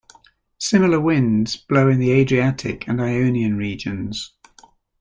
Similar winds blow in the Adriatic and Ionian regions.